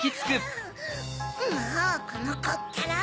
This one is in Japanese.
もうこのコったら！